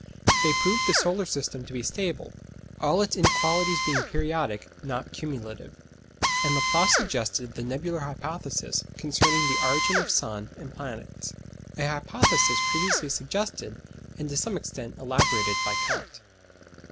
They proved the solar system to be stable; all its inequalities being periodic, not cumulative. And Laplace suggested the "nebular hypothesis" concerning the origin of sun and planets: a hypothesis previously suggested, and to some extent, elaborated, by Kant.